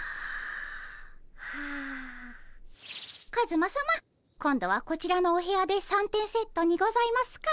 カズマさま今度はこちらのお部屋で三点セットにございますか？